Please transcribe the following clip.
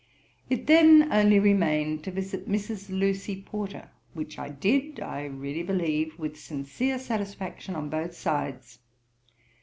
It then only remained to visit Mrs. Lucy Porter, which I did, I really believe, with sincere satisfaction on both sides.